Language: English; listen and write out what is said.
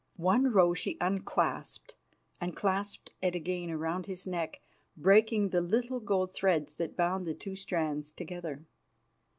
One row she unclasped and clasped it again round his neck, breaking the little gold threads that bound the two strands together.